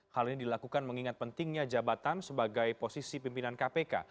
hal ini dilakukan mengingat pentingnya jabatan sebagai posisi pimpinan kpk